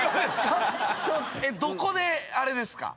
どこであれですか？